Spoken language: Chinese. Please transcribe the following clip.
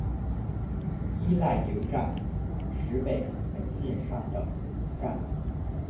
伊奈牛站石北本线上的站。